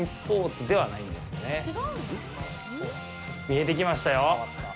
見えてきましたよ！